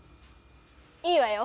いいわよ